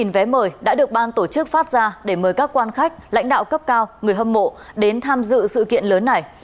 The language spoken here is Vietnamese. vé mời đã được ban tổ chức phát ra để mời các quan khách lãnh đạo cấp cao người hâm mộ đến tham dự sự kiện lớn này